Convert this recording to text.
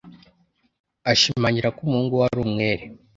Ashimangira ko umuhungu we ari umwere.